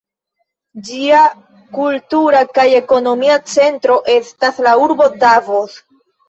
Ĝia kultura kaj ekonomia centro estas la urbo Davos.